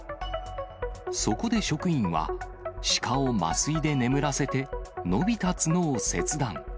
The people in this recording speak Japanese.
そこで職員は、シカを麻酔で眠らせて、伸びた角を切断。